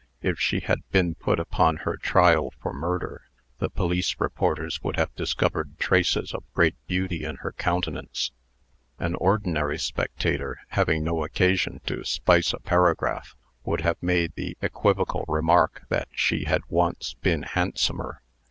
If she had been put upon her trial for murder, the police reporters would have discovered traces of great beauty in her countenance. An ordinary spectator, having no occasion to spice a paragraph, would have made the equivocal remark that she had once been handsomer.